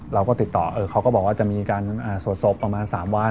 เราก็ติดต่อเขาก็บอกว่าจะมีการสวดศพประมาณ๓วัน